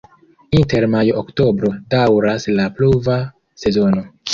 Inter majo-oktobro daŭras la pluva sezono.